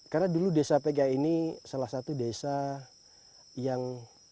karena dulu desa pegah ini salah satu desa yang